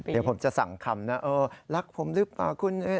เดี๋ยวผมจะสั่งคำนะเออรักผมหรือเปล่าคุณ